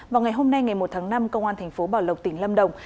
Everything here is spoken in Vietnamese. vào ngày hôm nay ngày một tháng năm công an thành phố bảo lộc tỉnh lâm đồng